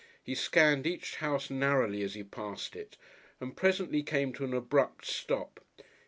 He scanned each house narrowly as he passed it, and presently came to an abrupt stop.